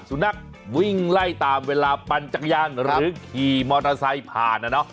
สุนัขวิ่งไล่ตามเวลาปั่นจักรยานหรือขี่มอเตอร์ไซค์ผ่านนะเนาะ